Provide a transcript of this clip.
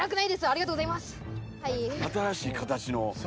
ありがとうございますはい。